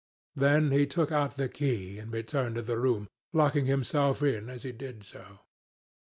Then he took out the key and returned to the room, locking himself in as he did so.